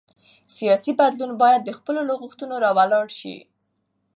سیاسي بدلون باید د خلکو له غوښتنو راولاړ شي